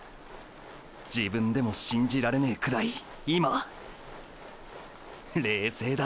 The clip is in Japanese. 自分でも信じられねぇくらい今ーー冷静だ。